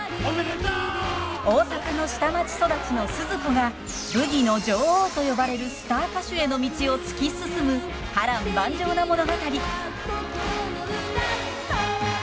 大阪の下町育ちのスズ子がブギの女王と呼ばれるスター歌手への道を突き進む波乱万丈な物語。へいっ！